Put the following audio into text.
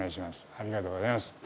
ありがとうございます